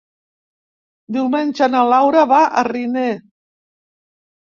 Diumenge na Laura va a Riner.